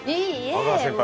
阿川先輩